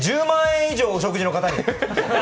１０万円以上のお食事の方に。